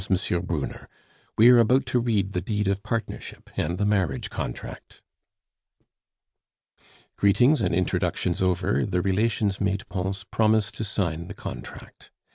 Brunner. We are about to read the deed of partnership and the marriage contract." Greetings and introductions over, the relations made Pons promise to sign the contract.